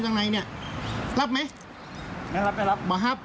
ลุงมันมหัภิคชอบ